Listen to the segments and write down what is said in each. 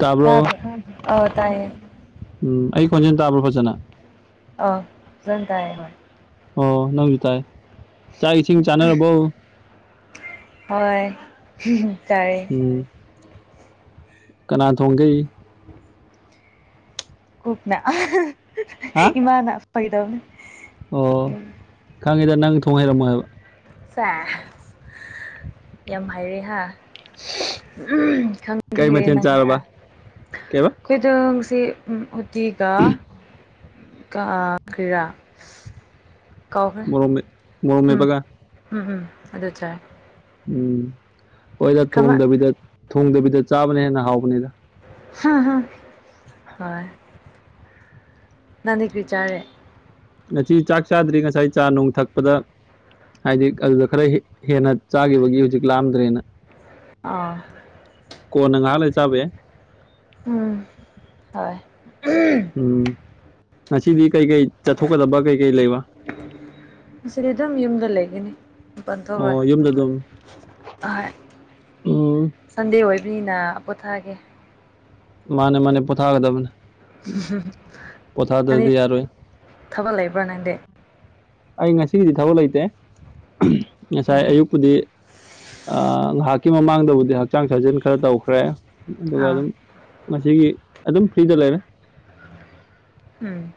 ꯇꯥꯕ꯭ꯔꯣ ꯇꯥꯕ꯭ꯔꯥ ꯑ ꯇꯥꯏꯌꯦ ꯎꯝ ꯑꯩ ꯈꯣꯟꯖꯦꯜ ꯇꯥꯕ꯭ꯔꯣ ꯐꯖꯅ ꯑ ꯖꯟ ꯇꯥꯏ ꯍꯣꯏ ꯑꯣ ꯅꯪꯖꯨ ꯇꯥꯏ ꯆꯥꯛ ꯏꯁꯤꯡ ꯆꯥꯅꯔꯕꯣ ꯍꯣꯏ ꯆꯥꯔꯦ [unintelligible] ꯀꯅꯥ ꯊꯣꯡꯒꯦ ꯀꯨꯞꯅ ꯍꯥ ꯏꯃꯅ ꯐꯥꯒꯤ ꯇꯧꯕꯅꯦ ꯑꯣ ꯈꯪꯉꯦꯗ ꯅꯪ ꯊꯣꯡ ꯍꯩꯔꯝꯃꯣꯏ ꯍꯥꯏꯕ ꯌꯥꯝ ꯍꯥꯏꯔꯦ ꯍꯥ ꯎꯝ ꯈꯪ ꯀꯩ ꯕꯤꯔꯦ ꯃꯊꯦꯜ ꯅꯪꯅ ꯆꯥꯔꯕ ꯀꯩꯕ [unintelligible] ꯀꯥꯎꯈ꯭ꯔꯦ ꯃꯣꯔꯣꯛ ꯃꯦꯠ ꯃꯣꯔꯣꯛ ꯎꯝ ꯃꯦꯠꯄꯒ ꯎꯝ ꯎꯝ ꯑꯗꯨ ꯆꯥꯏ ꯎꯝ ꯍꯣꯏꯗ ꯀꯃꯥꯏ ꯊꯣꯡꯗꯕꯤꯗ ꯊꯣꯡꯗꯕꯤꯗ ꯆꯥꯕꯅ ꯍꯦꯟꯅ ꯍꯥꯎꯕꯅꯤꯗ ꯍꯨꯝ ꯍꯨꯝ ꯍꯣꯏ ꯅꯪꯗꯤ ꯀꯔꯤ ꯆꯥꯔꯦ ꯉꯁꯤ ꯆꯥꯛ ꯆꯥꯗ꯭ꯔꯤ ꯉꯁꯥꯏ ꯆꯥ ꯅꯨꯡ ꯊꯛꯄꯗ ꯍꯥꯏꯗꯤ ꯑꯗꯨꯗ ꯈꯔ ꯍꯦ ꯍꯦꯟꯅ ꯆꯥꯈꯤꯕꯒꯤ ꯍꯧꯖꯤꯛ ꯂꯥꯝꯗ꯭ꯔꯦꯅ ꯑꯥ ꯀꯣꯟꯅꯥ ꯉꯥꯍꯜ ꯂꯩꯔ ꯆꯥꯕꯥ ꯌꯥꯏ꯫ ꯎꯝ ꯍꯣꯏ ꯎꯝ ꯉꯁꯤꯗꯤ ꯀꯩꯀꯩ ꯆꯠꯊꯣꯛꯀꯗꯕ ꯀꯩꯀꯩ ꯂꯩꯕ ꯑꯁꯤꯗꯤ ꯑꯗꯨꯝ ꯌꯨꯝꯗ ꯂꯩꯒꯅꯤ ꯃꯄꯥꯟ ꯊꯣꯛꯔꯣꯏ ꯑꯣ ꯌꯨꯝꯗ ꯑꯗꯨꯝ ꯍꯣꯏ ꯎꯝ ꯁꯟꯗꯦ ꯑꯣꯏꯕꯅꯤꯅ ꯄꯣꯊꯥꯒꯦ ꯃꯥꯅꯦ ꯃꯥꯅꯦ ꯄꯣꯊꯥꯒꯗꯕꯅꯦ ꯄꯣꯊꯥꯗꯕꯗꯤ ꯅꯪꯗꯤ ꯌꯥꯔꯣꯏ ꯊꯕꯛ ꯂꯩꯕ꯭ꯔ ꯅꯪꯗꯤ ꯑꯩ ꯉꯁꯤꯒꯤꯗꯤ ꯊꯕꯛ ꯂꯩꯇꯦ ꯉꯁꯥꯏ ꯍꯦꯍꯦ ꯑꯌꯨꯛꯄꯨꯗꯤ ꯉꯥꯏꯍꯥꯛꯀꯤ ꯃꯃꯥꯡꯗꯕꯨꯗꯤ ꯍꯛꯆꯥꯡ ꯁꯥꯖꯦꯟ ꯈꯔ ꯇꯧꯈ꯭ꯔꯦ ꯑꯗꯨꯒ ꯑꯥ ꯑꯗꯨꯝ ꯉꯁꯤꯒꯤ ꯑꯗꯨꯝ ꯐ꯭ꯔꯤꯗ ꯂꯩꯔꯦ ꯎꯝ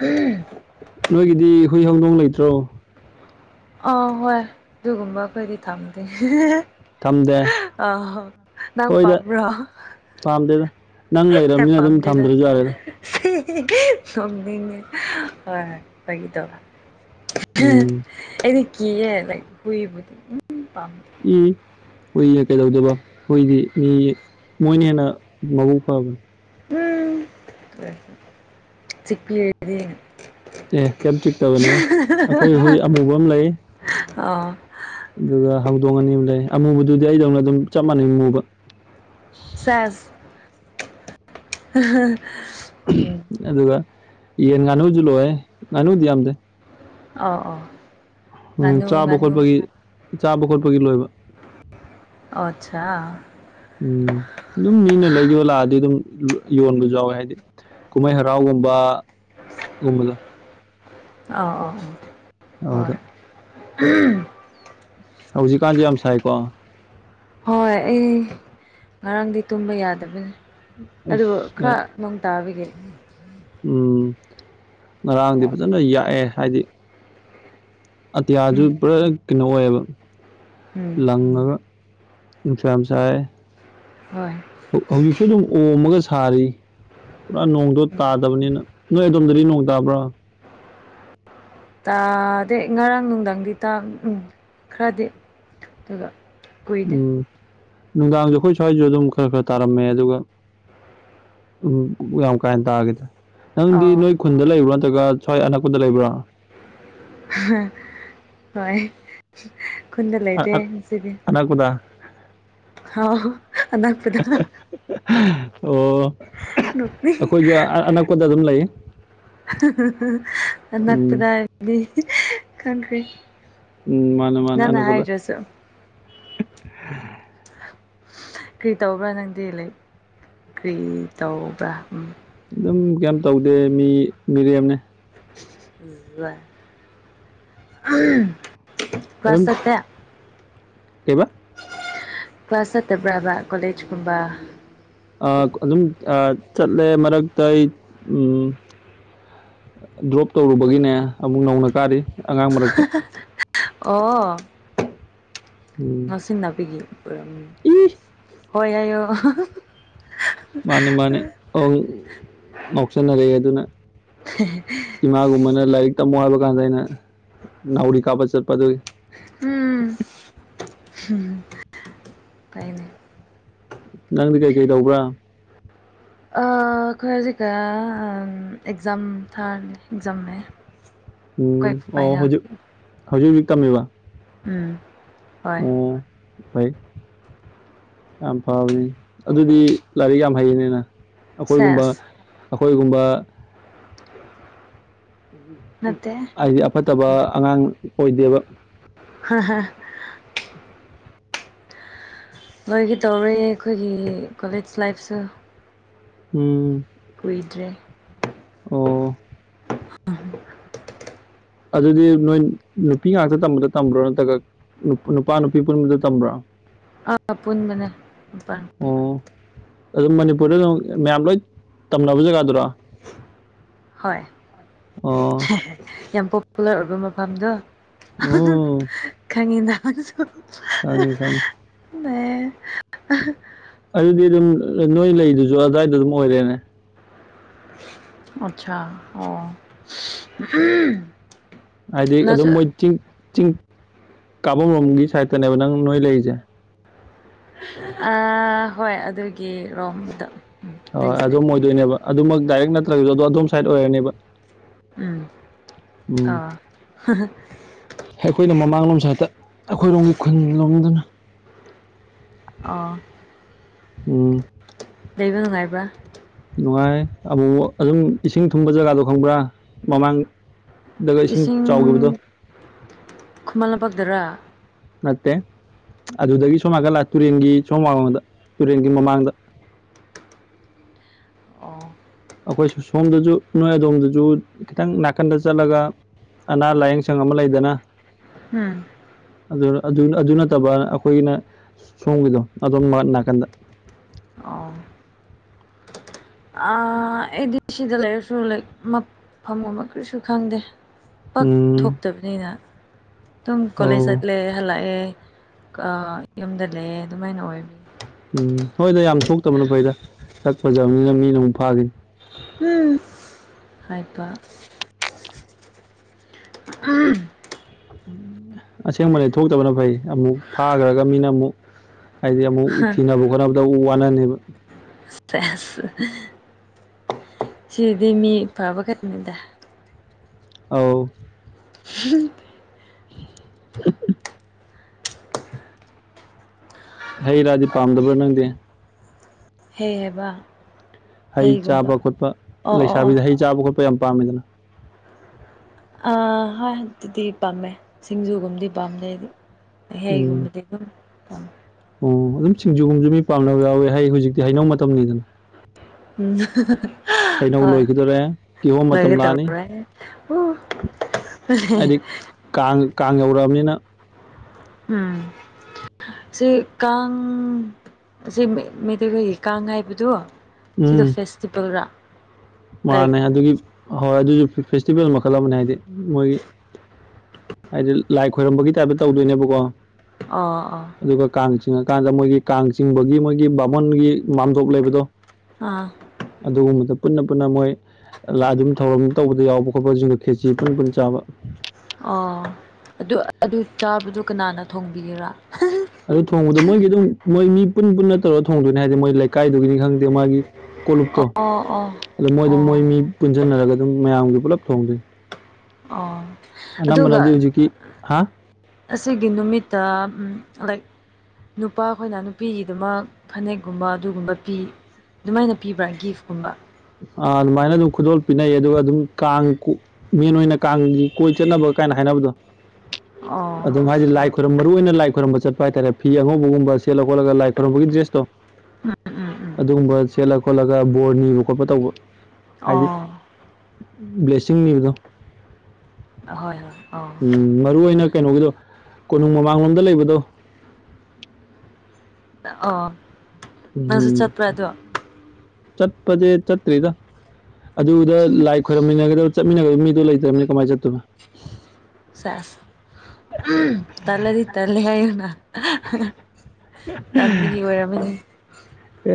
ꯎꯝ ꯅꯣꯏꯒꯤꯗꯤ ꯍꯨꯏ ꯍꯧꯗꯣꯡ ꯂꯩꯇ꯭ꯔꯣ ꯑ ꯍꯣꯏ ꯑꯗꯨꯒꯨꯝꯕ ꯈꯣꯏꯗꯤ ꯊꯝꯗꯦ ꯊꯝꯗꯦ ꯑ ꯍꯣ ꯅꯪ ꯍꯣꯏꯗ ꯄꯥꯝꯕ꯭ꯔꯣ ꯄꯥꯝꯗꯦꯗ ꯅꯪ ꯂꯩꯔꯕꯅꯤꯅ ꯑꯗꯨꯝ ꯊꯝꯗ꯭ꯔꯁꯨ ꯌꯥꯔꯦꯗ ꯍꯤ ꯍꯤ ꯅꯣꯛꯅꯤꯉꯦ ꯍꯣꯏ ꯍꯣꯏ ꯐꯒꯤ ꯇꯧꯕꯅꯦ ꯎꯝ ꯑꯦꯗꯤ ꯀꯤꯌꯦ ꯂꯥꯛ ꯍꯏꯕꯨ ꯎꯝ ꯍꯨꯏ ꯀꯩꯗꯧꯗꯕ ꯍꯨꯏꯗꯤ ꯃꯤ ꯃꯣꯏꯅ ꯍꯦꯟꯅ ꯃꯕꯨꯛ ꯐꯕꯅꯤ ꯎꯝ ꯁꯤꯄꯤ ꯑꯦꯗꯤ ꯑꯦ ꯀꯦꯞ ꯆꯤꯛꯇꯕꯅꯦ ꯑꯩꯈꯣꯏ ꯍꯨꯏ ꯑꯃꯨꯕ ꯑꯃ ꯂꯩ ꯑ ꯑꯗꯨꯒ ꯍꯧꯗꯣꯡ ꯑꯅꯤ ꯑꯃ ꯂꯩ ꯑꯃꯨꯕꯗꯨꯗꯤ ꯑꯩꯗꯧꯅ ꯑꯗꯨꯝ ꯆꯞ ꯃꯥꯟꯅꯩ ꯑꯃꯨꯕ ꯁꯦꯖ ꯎꯝ ꯑꯗꯨꯒ ꯌꯦꯟ ꯉꯥꯅꯨꯁꯨ ꯂꯣꯏꯦ ꯉꯥꯅꯨꯗꯤ ꯌꯥꯝꯗꯦ ꯑꯥꯎ ꯑ ꯎꯝ ꯆꯥꯕ ꯈꯣꯠꯄꯒꯤ ꯆꯥꯕ ꯈꯣꯠꯄꯒꯤ ꯂꯣꯏꯕ ꯑꯆꯥꯥ ꯎꯝ ꯑꯗꯨꯝ ꯃꯤꯅ ꯂꯩ ꯌꯣꯜꯂꯛꯑꯗꯤ ꯑꯗꯨꯝ ꯌꯣꯟꯕꯁꯨ ꯌꯥꯎꯋꯦ ꯍꯥꯏꯗꯤ ꯀꯨꯝꯍꯩ ꯍꯔꯥꯎꯒꯨꯝꯕ ꯒꯨꯝꯕꯗꯣ ꯑꯥꯎ ꯑꯥ ꯑꯗꯨꯗ ꯑ ꯍꯣꯏ ꯍꯧꯖꯤꯛꯀꯥꯟꯁꯦ ꯌꯥꯝ ꯁꯥꯏꯀꯣ ꯍꯣꯏ ꯑꯩ ꯉꯔꯥꯡꯗꯤ ꯇꯨꯝꯕ ꯌꯥꯗꯕꯅꯤ ꯑꯗꯨ ꯑꯩꯁ ꯉꯔꯥꯡ ꯈꯔ ꯅꯣꯡ ꯇꯥꯕꯤꯒꯦ ꯎꯝ ꯉꯔꯥꯡꯗꯤ ꯐꯖꯅ ꯌꯥꯛꯑꯦ ꯍꯥꯏꯗꯤ ꯑꯇꯤꯌꯥꯁꯨ ꯎꯝ ꯄꯨꯔꯥ ꯀꯩꯅꯣ ꯑꯣꯏꯌꯦꯕ ꯎꯝ ꯂꯪꯉꯒ ꯅꯨꯡꯁꯥ ꯌꯥꯝ ꯁꯥꯏ ꯍꯣꯏ ꯍꯧꯖꯤꯛꯁꯨ ꯑꯗꯨꯝ ꯑꯣꯝꯃꯒ ꯁꯥꯔꯤ ꯄꯨꯔꯥ ꯅꯣꯡꯗꯣ ꯇꯥꯗꯕꯅꯤꯅ ꯅꯣꯏ ꯑꯗꯣꯝꯗꯗꯤ ꯅꯣꯡ ꯇꯥꯕ꯭ꯔꯥ ꯇꯥꯗꯦ ꯉꯔꯥꯡ ꯅꯨꯡꯊꯪꯗꯤ ꯇꯥ ꯎꯝ ꯈꯔꯗꯤ ꯑꯗꯨꯒ ꯀꯨꯏꯗꯦ ꯎꯝ ꯅꯨꯡꯗꯥꯡꯁꯨ ꯑꯩꯈꯣꯏ ꯁ꯭ꯋꯥꯏꯁꯨ ꯑꯗꯨꯝ ꯈꯔ ꯈꯔ ꯇꯥꯔꯝꯃꯦ ꯑꯗꯨꯒ ꯎꯝ ꯌꯥꯝ ꯀꯥ ꯍꯦꯟꯅ ꯇꯥꯈꯤꯗ꯭ꯔꯦ ꯅꯪꯗꯤ ꯑꯥꯎ ꯅꯣꯏ ꯈꯨꯟꯗ ꯂꯩꯕ꯭ꯔꯥ ꯅꯠꯇ꯭ꯔꯒ ꯁ꯭ꯋꯥꯏ ꯑꯅꯛꯄꯗ ꯂꯩꯕ꯭ꯔꯥ ꯍꯣꯏ ꯈꯨꯟꯗ ꯂꯩꯇꯦ ꯑ- ꯉꯁꯤꯗꯤ ꯑꯅꯛꯄꯗ ꯍꯥꯎ ꯑꯅꯛꯄꯗ ꯑꯣ ꯅꯣꯛꯅꯤꯡ ꯑꯩꯈꯣꯏꯁꯨ ꯑꯅꯛꯄꯗ ꯑꯗꯨꯝ ꯂꯩ ꯎꯝ ꯑꯅꯛꯄꯗꯥ [unintelligible] ꯎꯝ ꯃꯥꯅꯦ ꯃꯥꯅꯦ ꯑꯅꯛꯄꯗ ꯀꯔꯤ ꯇꯧꯕ꯭ꯔꯥ ꯅꯪꯗꯤ ꯂꯩ ꯀꯔꯤ ꯇꯧꯕ꯭ꯔꯥ ꯑꯗꯨꯝ ꯀꯩꯝ ꯇꯧꯗꯦ ꯃꯤ ꯃꯤꯔꯦꯝꯅꯦ ꯏ ꯑꯗꯨꯝ ꯄꯁꯛꯇ ꯀꯩꯕ ꯀ꯭ꯂꯥꯁꯠꯇꯕ꯭ꯔꯥꯕ ꯀꯂꯦꯖ ꯀꯨꯝꯕ ꯑꯗꯨꯝ ꯆꯠꯂꯦ ꯃꯔꯛꯇ ꯑꯩ ꯎꯝ ꯗ꯭ꯔꯣꯞ ꯇꯧꯔꯨꯕꯒꯤꯅꯦ ꯑꯃꯨꯛ ꯅꯧꯅ ꯀꯥꯔꯤ ꯑꯉꯥꯡ ꯃꯔꯛꯇ ꯑꯣ ꯎꯝ ꯉꯥꯡꯁꯤꯟꯅꯅꯥꯄꯤꯒꯤ ꯄꯨꯔꯝ ꯏ ꯍꯣꯏ ꯑꯏꯌꯣ ꯃꯥꯅꯦ ꯃꯥꯅꯦ ꯑ ꯉꯥꯎꯁꯟꯅꯔꯛꯑꯦ ꯑꯗꯨꯅ [inaudible] ꯏꯃꯥꯒꯨꯝꯕꯅ ꯂꯥꯏꯔꯤꯛ ꯇꯝꯃꯣ ꯍꯥꯏꯕ ꯀꯥꯟꯗ ꯑꯩꯅ ꯅꯥꯎꯔꯤ ꯀꯥꯞꯄ ꯆꯠꯄ ꯑꯗꯨꯒꯤ ꯎꯝꯝ ꯀꯥꯏꯅꯦ ꯅꯪꯗꯤ ꯀꯩꯀꯩ ꯇꯧꯕ꯭ꯔꯥ ꯑꯩꯈꯣꯏ ꯍꯧꯖꯤꯛ ꯀꯌꯥ ꯑꯦꯛꯖꯥꯝ ꯊꯥꯔꯅꯦ ꯑꯦꯛꯖꯥꯝꯅꯦ ꯎꯝ ꯑꯣ ꯍꯧꯖꯤ ꯍꯧꯖꯤꯛ ꯇꯝꯃꯤꯕ ꯎꯝ ꯍꯣꯏ ꯑꯣ ꯐꯩ ꯌꯥꯝ ꯐꯕꯅꯤ ꯑꯗꯨꯗꯤ ꯂꯥꯏꯔꯤꯛ ꯌꯥꯝ ꯍꯩꯌꯦꯅꯤꯅ ꯑꯩꯈꯣꯏꯒꯨꯝꯕ ꯁꯦꯁ ꯑꯩꯈꯣꯏꯒꯨꯝꯕ ꯅꯠꯇꯦ ꯍꯥꯏꯗꯤ ꯑꯐꯠꯇꯕ ꯑꯉꯥꯡ ꯑꯣꯏꯗꯦꯕ ꯍ ꯍꯥ ꯃꯣꯏꯒꯤ ꯇꯧꯔꯦ ꯑꯩꯈꯣꯏꯒꯤ ꯀꯣꯂꯦꯖ ꯂꯥꯏꯐꯁꯨ ꯎꯝ ꯀꯨꯏꯗ꯭ꯔꯦ ꯑꯣ ꯑꯗꯨꯗꯤ ꯅꯣꯏ ꯅꯨꯄꯤ ꯉꯥꯛꯇ ꯇꯝꯕꯗ ꯇꯝꯕ꯭ꯔꯣ ꯅꯠꯇ꯭ꯔꯒ ꯅꯨꯄꯥ ꯅꯨꯄꯤ ꯄꯨꯟꯕꯗ ꯇꯝꯕ꯭ꯔꯣ ꯑꯥ ꯄꯨꯟꯕꯟꯅ ꯑꯣ ꯑꯗꯨꯝ ꯃꯅꯤꯄꯨꯔꯗ ꯑꯗꯨꯝ ꯃꯌꯥꯝ ꯂꯣꯏ ꯇꯝꯅꯕ ꯖꯒꯥꯗꯨꯔꯣ ꯍꯣꯏ ꯑꯣ ꯌꯥꯝ ꯄꯣꯄꯨꯂꯔ ꯑꯣꯏꯕ ꯃꯐꯝꯗꯣ ꯎꯝ ꯈꯪꯉꯤꯗ ꯁꯥꯡꯉꯦ ꯁꯥꯡꯉꯦ ꯃ ꯑꯗꯨꯗꯤ ꯑꯗꯨꯝ ꯅꯣꯏ ꯂꯩꯗꯨꯁꯨ ꯑꯗꯨ꯭ꯋꯥꯏꯗ ꯑꯗꯨꯝ ꯑꯣꯏꯔꯦꯅꯦ ꯑꯆꯥꯆꯥ ꯑꯣ ꯍꯥꯏꯗꯤ ꯑꯗꯨꯝ ꯅꯪꯁꯨ ꯃꯣꯏ ꯆꯤꯡ ꯆꯤꯡ ꯀꯥꯐꯝꯔꯣꯝꯒꯤ ꯁꯥꯏꯠꯇꯅꯦꯕ ꯅꯪ ꯅꯣꯏ ꯂꯩꯔꯤꯁꯦ ꯑ ꯍꯣꯏ ꯑꯗꯨꯒꯤ ꯔꯣꯝꯗ ꯎꯝ ꯍꯣꯏ ꯑꯗꯨꯒꯤ ꯑꯗꯨꯝ ꯁꯥꯏꯠꯇ ꯑꯣꯏꯗꯣꯏꯅꯦꯕ ꯑꯗꯨꯃꯛ ꯗꯥꯏꯔꯦꯛ ꯅꯠꯇ꯭ꯔꯒꯁꯨ ꯑꯗꯨꯣ ꯑꯗꯣꯝ ꯁꯥꯏꯠ ꯑꯣꯏꯔꯅꯦꯕ ꯎꯝ ꯎꯝ ꯑꯥ ꯑꯩꯈꯣꯏꯅ ꯃꯃꯥꯡꯂꯣꯝꯁ ꯍꯦꯛꯇ ꯑꯩꯈꯣꯏꯔꯣꯝꯒꯤ ꯈꯨꯟ ꯂꯣꯝꯗꯅ ꯑ ꯎꯝ ꯂꯩꯕ ꯅꯨꯡꯉꯥꯏꯕ꯭ꯔꯥ ꯅꯨꯡꯉꯥꯏ ꯑꯃꯨꯛ ꯑꯗꯨꯝ ꯏꯁꯤꯡ ꯊꯨꯝꯕ ꯖꯒꯥꯗꯣ ꯈꯪꯕ꯭ꯔꯥ ꯃꯃꯥꯡ ꯗ ꯏꯁꯤꯡ ꯆꯥꯎꯈꯤꯕꯗꯣ ꯈꯨꯃꯜꯅ ꯄꯛꯗꯔꯥ ꯅꯠꯇꯦ ꯑꯗꯨꯗꯒꯤ ꯁꯣꯝ ꯅꯥꯀꯜꯂꯥ ꯇꯨꯔꯦꯟꯒꯤ ꯁꯣꯝ ꯋꯥꯡꯃꯥꯗ ꯇꯨꯔꯦꯟꯒꯤ ꯃꯃꯥꯡꯗ ꯑꯣ ꯑꯩꯈꯣꯏ ꯁꯣꯝꯗꯁꯨ ꯅꯣꯏ ꯑꯗꯣꯝꯗꯁꯨ ꯈꯤꯇꯪ ꯅꯥꯀꯟꯗ ꯆꯠꯂꯒ ꯑꯅꯥ ꯂꯥꯏꯌꯦꯡ ꯁꯪ ꯑꯃ ꯂꯩꯗꯅ ꯎꯝ ꯑꯗꯨ ꯑꯗꯨ ꯅꯠꯇꯕ ꯑꯩꯈꯣꯏꯒꯤꯅ ꯁꯣꯝꯒꯤꯗꯣ ꯑꯗꯣꯝ ꯃꯥ ꯅꯥꯀꯟꯗ ꯑꯣ ꯑꯥ ꯑꯥ ꯑꯦꯗꯤ ꯁꯤꯗ ꯂꯩꯔꯁꯨ ꯂꯩ ꯃꯞ ꯐꯝꯒꯨꯝꯕ ꯀꯔꯤꯁꯨ ꯈꯪꯗꯦ ꯄꯛ ꯎꯝ ꯊꯣꯛꯇꯕꯅꯤꯅ ꯑꯗꯨꯝ ꯀꯣꯂꯦꯖ ꯑꯧ ꯆꯠꯂꯦ ꯍꯜꯂꯛꯑꯦ ꯀꯥ ꯌꯨꯝꯗ ꯂꯩꯌꯦ ꯑꯗꯨꯃꯥꯏꯅ ꯑꯣꯏ ꯎꯝ ꯍꯣꯏꯗ ꯌꯥꯝ ꯊꯣꯛꯇꯕꯅ ꯐꯩꯗ ꯁꯛ ꯐꯖꯕꯅꯤꯅ ꯃꯤꯅ ꯑꯃꯨꯛ ꯐꯥꯈꯤꯅꯤ ꯎꯝ ꯍꯩꯄꯥ ꯑꯥ ꯑꯁꯦꯡꯕꯅꯦ ꯊꯣꯛꯇꯕꯅ ꯐꯩ ꯑꯃꯨꯛ ꯐꯥꯈ꯭ꯔꯒ ꯃꯤꯅ ꯑꯃꯨꯛ ꯍꯥꯏꯗꯤ ꯑꯃꯨꯛ ꯊꯤꯅꯕ ꯈꯣꯠꯅꯕꯗ ꯑꯃꯨꯛ ꯋꯥꯅꯅꯤꯕ [unintelligible] ꯁꯤꯗꯤ ꯃꯤ ꯐꯕ ꯈꯠꯇꯅꯤꯗ ꯑꯧ [unintelligible] [unintelligible] ꯍꯩ ꯔꯥꯗꯤ ꯄꯥꯝꯗꯕ꯭ꯔꯥ ꯅꯪꯗꯤ ꯍꯩ ꯍꯥꯏꯕ ꯍꯩ ꯍꯩꯒꯨꯝꯕ ꯆꯥꯕ ꯈꯣꯠꯄ ꯑꯣ ꯑꯣ ꯑꯣ ꯂꯩꯁꯥꯕꯤꯗꯤ ꯍꯩ ꯆꯥꯕ ꯈꯣꯠꯄ ꯌꯥꯝ ꯄꯥꯝꯃꯤꯗꯅ ꯑꯥ ꯍꯣꯏ ꯗꯨꯗꯤ ꯄꯥꯝꯃꯦ ꯁꯤꯡꯖꯨꯒꯨꯝꯕꯗꯤ ꯄꯥꯝꯗꯦ ꯑꯩꯗꯤ ꯎꯝ ꯍꯩꯒꯨꯝꯕꯗꯤ [unintelligible] ꯑꯣ ꯑꯗꯨꯝ ꯁꯤꯡꯖꯨꯒꯨꯝꯁꯨ ꯃꯤ ꯄꯥꯝꯅꯕ ꯌꯥꯎꯋꯦ ꯍꯥꯏ ꯍꯧꯖꯤꯛꯇꯤ ꯍꯩꯅꯧ ꯃꯇꯝꯅꯤꯗꯅ ꯎꯝ [unintelligible] ꯍꯩꯅꯧ ꯍꯣꯏ ꯂꯣꯏꯈꯤꯗꯣꯔꯦ ꯀꯤꯍꯣꯝ ꯃꯇꯝ ꯂꯣꯏꯒꯦ ꯂꯥꯛꯑꯅꯤ ꯇꯧꯔꯦ ꯍꯥꯏꯗꯤ [unintelligible] ꯀꯥꯡ ꯀꯥꯡ ꯌꯧꯔꯛꯑꯕꯅꯤꯅ ꯎꯝ ꯁꯤ ꯀꯥꯡ ꯁꯤ ꯃꯤꯇꯩꯈꯣꯏꯒꯤ ꯀꯥꯡ ꯍꯥꯏꯕꯗꯨ ꯁꯤꯗ ꯐꯦꯁ- ꯇꯤꯚꯦꯜ ꯔꯥ ꯃꯥꯅꯩ ꯑꯗꯨꯒꯤ ꯍꯣꯏ ꯑꯗꯨꯁꯨ ꯐꯦꯁꯇꯤꯚꯦꯜ ꯃꯈꯜ ꯑꯃꯅꯦ ꯍꯥꯏꯗꯤ ꯃꯣꯏꯒꯤ ꯍꯥꯏꯗꯤ ꯂꯥꯏ ꯈꯣꯏꯔꯝꯕꯒꯤ ꯇꯥꯏꯞꯇ ꯇꯧꯗꯣꯏꯅꯦꯕꯀꯣ ꯑꯥ ꯑꯥ ꯑꯗꯨꯒ ꯀꯥꯡ ꯆꯤꯡꯉꯀꯥꯟꯗ ꯃꯣꯏꯒꯤ ꯀꯥꯡ ꯆꯤꯡꯕꯒꯤ ꯃꯣꯏꯒꯤ ꯕꯥꯃꯣꯟꯒꯤ ꯃꯥꯝꯗꯣꯞ ꯂꯩꯕꯗꯣ ꯑꯥ ꯑꯗꯨꯒꯨꯝꯕꯗ ꯄꯨꯟꯅ ꯄꯨꯟꯅ ꯃꯣꯏ ꯂꯥꯗꯨꯝ ꯊꯧꯔꯝ ꯇꯧꯕꯗ ꯌꯥꯎꯕ ꯈꯣꯠꯄꯁꯤꯡꯗ ꯈꯦꯆꯤ ꯄꯨꯟ ꯄꯨꯟ ꯆꯥꯕ ꯑꯣ ꯑꯗꯨ ꯑꯗꯨ ꯆꯥꯕꯗꯨ ꯀꯅꯥꯅ ꯊꯣꯡꯕꯤꯒꯦꯔꯥ ꯑꯗꯨ ꯊꯣꯡꯕꯗꯣ ꯃꯣꯏꯒꯤ ꯑꯗꯨꯝ ꯃꯣꯏ ꯃꯤ ꯄꯨꯟ ꯄꯨꯟꯅ ꯇꯧꯔꯒ ꯊꯣꯡꯗꯣꯏꯅꯦ ꯍꯥꯏꯗꯤ ꯃꯣꯏ ꯂꯩꯀꯥꯏꯗꯨꯒꯤꯅꯤ ꯈꯪ- ꯗꯦ ꯃꯒꯤ ꯀꯣꯂꯨꯨꯞꯇꯣ ꯑꯣ ꯑꯣ ꯑꯗꯨ ꯃꯣꯏ ꯑꯗꯨ ꯃꯣꯏ ꯑꯣ ꯃꯤ ꯄꯨꯟꯁꯤꯟꯅꯔꯒ ꯑꯗꯨꯝ ꯃꯌꯥꯝꯒꯤ ꯄꯨꯂꯞ ꯊꯣꯡꯗꯨꯏ ꯑꯣ ꯑꯗꯨꯒ ꯑꯅꯝꯕꯅꯗꯤ ꯍꯧꯖꯤꯀꯤ ꯍꯥ ꯑꯁꯤꯒꯤ ꯅꯨꯃꯤꯠꯇ ꯎꯝ ꯂꯩ ꯅꯨꯄꯥ ꯈꯣꯏꯅ ꯅꯨꯄꯤꯒꯤꯗꯨꯃꯛ ꯐꯅꯦꯛꯀꯨꯝꯕ ꯑꯗꯨꯒꯨꯝꯕ ꯄꯤ ꯗꯨꯃꯥꯏꯅ ꯄꯤꯕ꯭ꯔꯥ ꯒꯤꯐꯀꯨꯝꯕ ꯑꯥ ꯑꯗꯨꯃꯥꯏꯅ ꯑꯗꯨꯝ ꯈꯨꯗꯣꯜ ꯄꯤꯅꯩ ꯑꯗꯨꯒ ꯑꯗꯨꯝ ꯀꯥꯡ ꯀꯨ ꯃꯦꯟ ꯑꯣꯏꯅ ꯀꯥꯡꯒꯤ ꯀꯣꯏ ꯆꯠꯅꯕ ꯀꯥꯏꯅ ꯍꯥꯏꯅꯕꯗꯣ ꯑꯣ ꯑꯗꯨꯝ ꯍꯥꯏꯗꯤ ꯑꯠꯆꯥ ꯂꯥꯏ ꯈꯨ ꯃꯔꯨꯑꯣꯏ ꯂꯥꯏ ꯈꯣꯏꯔꯝꯕ ꯆꯠꯄ ꯍꯥꯏꯇꯥꯔꯦ ꯐꯤ ꯑꯉꯧꯕꯒꯨꯝꯕ ꯁꯦꯜꯂ ꯈꯣꯠꯂ ꯂꯥꯏ ꯈꯣꯏꯔꯝꯕꯒꯤ ꯗ꯭ꯔꯦꯁꯇꯣ ꯎꯝ ꯎꯝ ꯎꯝ ꯑꯗꯨꯒꯨꯝꯕ ꯁꯦꯠꯂ ꯈꯣꯠꯂꯒ ꯕꯣꯔꯅꯤ ꯈꯣꯠꯄ ꯇꯧꯕ ꯍꯥꯏꯗꯤ ꯑꯣ ꯕ꯭ꯂꯦꯁꯤꯡ ꯅꯤꯕꯗꯣ ꯍꯣꯏ ꯍꯣꯏ ꯑꯣ ꯎꯝ ꯃꯔꯨ ꯑꯣꯏꯅ ꯀꯩꯅꯣꯒꯤꯗꯣ ꯀꯣꯅꯨꯡ ꯃꯃꯥꯡꯂꯣꯝꯗ ꯂꯩꯕꯗꯣ ꯑꯣ ꯅꯪꯁꯨ ꯎꯝ ꯆꯠꯄ꯭ꯔꯥ ꯑꯗꯣ ꯆꯠꯄꯖꯦ ꯆꯠꯇ꯭ꯔꯤꯗ ꯑꯗꯨꯗ ꯂꯥꯏꯛ ꯈꯣꯏꯔꯝꯃꯤꯟꯅꯒꯗꯕ ꯆꯠꯃꯤꯟꯅꯒꯗꯕ ꯃꯤꯗꯣ ꯂꯩꯇ꯭ꯔꯝꯅꯤꯅ ꯀꯃꯥꯏ ꯆꯠꯇꯣꯏꯕ ꯁꯦꯁ ꯇꯜꯂꯗꯤ ꯇꯜꯂꯦ ꯍꯥꯏꯌꯨꯅ ꯇꯟꯕꯒꯤ ꯑꯣꯏꯔꯝꯃꯅꯤ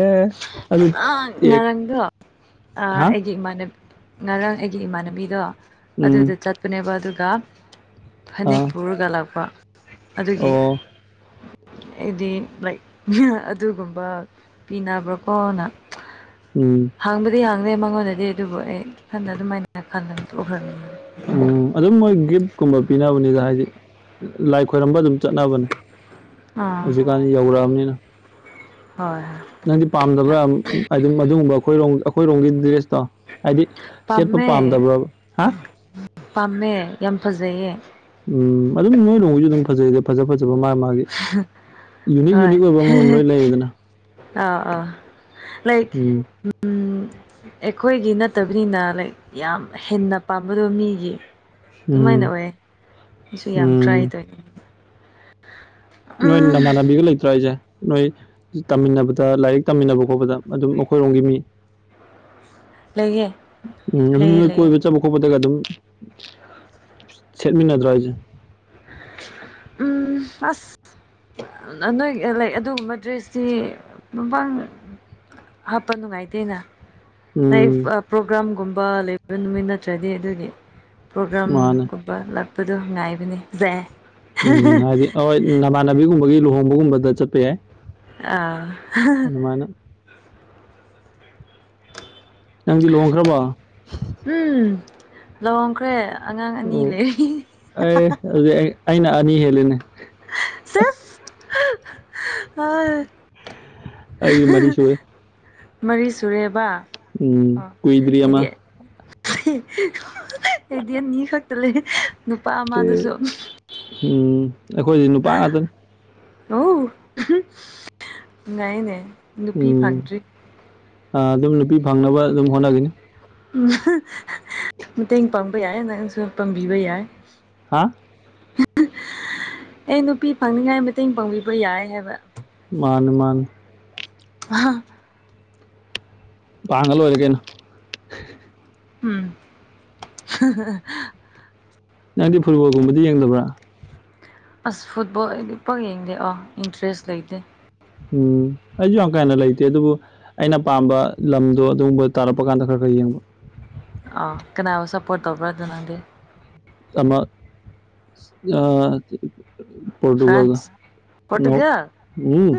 ꯑꯦ ꯑꯗꯨ ꯑꯟ ꯑꯦ ꯉꯔꯥꯡꯗꯣ ꯑ ꯍꯥ ꯑꯩꯒꯤ ꯏꯃꯥꯟꯅꯕꯤ ꯉꯔꯥꯡ ꯑꯩꯒꯤ ꯏꯃꯥꯟꯅꯕꯤꯗꯣ ꯎꯝ ꯑꯗꯨꯗ ꯆꯠꯄꯅꯦꯕ ꯑꯗꯨꯒ ꯐꯅꯦꯛ ꯑꯥ ꯄꯨꯔꯒ ꯂꯥꯛꯄ ꯑꯗꯨꯒꯤ ꯑꯣ ꯑꯩꯗꯤ ꯂꯥꯏꯛ ꯑꯗꯨꯒꯨꯝꯕ ꯄꯤꯅꯕ꯭ꯔꯥꯀꯣꯅ ꯎꯝ ꯍꯪꯕꯨꯗꯤ ꯍꯥꯡꯗꯦ ꯃꯉꯣꯟꯗꯗꯤ ꯑꯗꯨꯕꯨ ꯑꯩ ꯏꯊꯟꯗ ꯑꯗꯨꯃꯥꯏꯅ ꯈꯟꯗꯅ ꯇꯣꯛꯈꯔꯥꯝꯅꯤ ꯎꯝ ꯑꯗꯨꯝ ꯃꯣꯏ ꯒꯤꯞꯀꯨꯝꯕ ꯄꯤꯅꯕꯅꯤꯗ ꯍꯥꯏꯗꯤ ꯂꯥꯏ ꯈꯣꯏꯔꯝꯕ ꯑꯗꯨꯝ ꯆꯠꯅꯕꯅꯦ ꯑꯥ ꯏꯕꯥꯏꯅꯤ ꯌꯧꯔꯛꯑꯕꯅꯤꯅ ꯍꯣꯏ ꯅꯪꯗꯤ ꯄꯥꯝꯗꯕ꯭ꯔꯥ ꯍꯥꯏꯗꯤ ꯃꯗꯨꯒꯨꯝꯕ ꯑꯩꯈꯣꯏꯔꯣꯝ ꯑꯩꯈꯣꯏꯔꯣꯝꯒꯤ ꯗ꯭ꯔꯦꯁꯇꯣ ꯍꯥꯏꯗꯤ ꯁꯦꯠꯄ ꯄꯥꯝꯃꯦ ꯄꯥꯝꯗꯕ꯭ꯔꯥꯕ ꯍꯥ ꯄꯥꯝꯃꯦ ꯌꯥꯝ ꯐꯖꯩꯌꯦ ꯎꯝ ꯑꯗꯨꯝ ꯅꯣꯏꯔꯣꯝꯒꯤꯖꯨ ꯑꯗꯨꯝ ꯐꯖꯩꯗ ꯐꯖꯥ ꯐꯖꯕ ꯃꯥ ꯃꯥ ꯃꯥꯒꯤ ꯌꯨꯅꯤꯛ ꯍꯣꯏ ꯌꯨꯅꯤꯛ ꯑꯣꯏꯕ ꯑꯃꯃꯝ ꯂꯣꯏ ꯂꯩꯗꯅ ꯑꯥ ꯑꯥ ꯂꯩ [inaudible] ꯎꯝ ꯑꯩꯈꯣꯏꯒꯤ ꯅꯠꯇꯕꯅꯤꯅ ꯂꯥꯏꯛ ꯌꯥꯝ ꯍꯦꯟꯅ ꯄꯥꯝꯕꯗꯣ ꯃꯤꯒꯤ ꯎꯝ ꯑꯗꯨꯃꯥꯏꯅ ꯑꯣꯏ ꯁꯤꯁꯨ ꯌꯥꯝ ꯎꯝ ꯇ꯭ꯔꯥꯏꯗꯣꯏꯅꯦ ꯅꯣꯏ ꯅꯃꯥꯟꯅꯕꯤꯒ ꯂꯩꯇ꯭ꯔꯣ ꯍꯥꯏꯖꯦ ꯅꯣꯏ ꯇꯝꯃꯤꯟꯅꯕꯗ ꯂꯥꯏꯔꯤꯛ ꯇꯝꯃꯤꯟꯅꯕ ꯈꯣꯠꯄꯗ ꯑꯗꯨꯝ ꯃꯈꯣꯏꯔꯣꯝꯒꯤ ꯃꯤ [unintelligible] ꯎꯝ ꯑꯗꯨꯝ ꯂꯩꯌꯦ ꯅꯣꯏ ꯂꯩꯌꯦ ꯀꯣꯏꯕ ꯆꯠꯄ ꯈꯣꯠꯄꯗꯒ ꯑꯗꯨꯝ ꯁꯦꯠꯃꯤꯟꯅꯗ꯭ꯔꯣ ꯍꯥꯏꯖꯦ ꯎꯝ ꯑꯁ ꯌꯥꯝꯅ ꯅꯣꯏ ꯂꯥꯏꯛ ꯑꯗꯨꯒꯨꯝꯕ ꯗ꯭ꯔꯦꯁꯇꯤ ꯃꯄꯥꯡ ꯍꯥꯞꯄ ꯅꯨꯡꯉꯥꯏꯇꯦꯅ ꯎꯝ ꯂꯥꯏꯐ ꯄ꯭ꯔꯣꯒ꯭ꯔꯥꯝꯒꯨꯝꯕ ꯂꯩꯕ ꯅꯨꯃꯤꯠ ꯅꯠꯇ꯭ꯔꯗꯤ ꯑꯗꯨꯒꯤ ꯄ꯭ꯔꯣꯒ꯭ꯔꯥꯝ ꯃꯥꯅꯦ ꯂꯛꯄꯗꯣ ꯉꯥꯏꯕꯅꯦ ꯖꯦ ꯎꯝ ꯍꯥꯏꯗꯤ ꯑꯍꯣꯏ ꯅꯃꯥꯟꯅꯕꯤꯒꯨꯝꯕꯒꯤ ꯂꯨꯍꯣꯡꯕꯒꯨꯝꯕꯗ ꯆꯠꯄ ꯌꯥꯏ ꯑꯥ ꯑꯗꯨꯃꯥꯏꯅ ꯅꯪꯗꯤ ꯂꯨꯍꯣꯡꯈ꯭ꯔꯕꯣ ꯎꯝ ꯂꯨꯍꯣꯡꯈ꯭ꯔꯦ ꯑꯉꯥꯡ ꯑꯅꯤ ꯑꯣ ꯂꯩ ꯑꯦ ꯑꯗꯨꯗꯤ ꯑꯩ ꯑꯩꯅ ꯑꯅꯤ ꯍꯦꯜꯂꯤꯅꯦ ꯁꯦꯁ ꯑꯩꯗꯤ ꯃꯔꯤ ꯁꯨꯔꯦ [unintelligible] ꯃꯔꯤ ꯁꯨꯔꯦꯕ ꯎꯝ ꯑꯣ ꯀꯨꯏꯗ꯭ꯔꯤ ꯑꯃ꯫ ꯑꯩꯗꯤ ꯑꯩꯗꯤ ꯑꯅꯤ ꯈꯛꯇ ꯂꯩ ꯅꯨꯄꯥ ꯑꯦ ꯑꯃꯑꯗꯨꯁꯨ꯫ ꯎꯝ ꯑꯩꯈꯣꯏꯗꯤ ꯅꯨꯄꯥ ꯉꯥꯛꯇꯅꯤ꯫ [unintelligible] ꯅꯩꯅꯦ꯫ ꯎꯝ ꯑ ꯑꯗꯨꯝ ꯅꯨꯄꯤ ꯐꯪꯅꯕ ꯑꯗꯨꯝ ꯍꯣꯠꯅꯒꯤꯅꯤ꯫ ꯎ ꯃꯇꯦꯡ ꯄꯥꯡꯕ ꯌꯥꯏ ꯅꯪꯁꯨ ꯄꯥꯡꯕꯤꯕ ꯌꯥꯏ ꯍꯥꯥ ꯑꯩ ꯅꯨꯄꯤ ꯐꯪꯅꯤꯡꯉꯥꯏ ꯃꯇꯦꯡ ꯄꯥꯡꯕꯤꯕ ꯌꯥꯏ ꯍꯥꯏꯕ ꯃꯥꯅ ꯃꯥꯥꯟ ꯃꯍꯥꯛꯍ ꯄꯥꯡꯒ ꯂꯣꯏꯔꯦ ꯀꯩꯅꯣ ꯎꯝ ꯅꯪꯗꯤ ꯐꯨꯠꯕꯣꯜꯒꯨꯝꯕꯗꯤ ꯌꯦꯡꯗꯕ꯭ꯔꯥ ꯑꯁ ꯐꯨꯠꯕꯣꯜꯗꯤ ꯄꯛ ꯌꯦꯡꯗꯦ ꯑꯣ ꯏꯟꯇꯔꯦꯁ ꯂꯩꯇꯦ ꯎꯝ ꯑꯩꯁꯨ ꯌꯥꯝ ꯀꯥꯏꯟꯅ ꯂꯩꯇꯦ ꯑꯗꯨꯕꯨ ꯑꯩꯅ ꯄꯥꯝꯕ ꯂꯝꯗꯣ ꯑꯗꯨꯒꯨꯝꯕ ꯇꯥꯔꯛꯄ ꯀꯥꯟꯗ ꯈꯔ ꯈꯔ ꯌꯦꯡꯕ ꯑ ꯀꯅꯥꯅꯕꯣ ꯁꯄꯣꯔꯠ ꯇꯧꯕ꯭ꯔꯥ ꯑꯗꯨ ꯅꯪꯗꯤꯦ ꯇꯃ ꯑ ꯄꯣꯣꯔꯇꯨꯒꯜꯒ ꯐ꯭ꯔꯥꯟꯁ ꯅ ꯄꯣꯔꯇꯨꯒꯜ ꯎꯝ